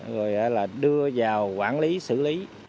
rồi là đưa vào quản lý xử lý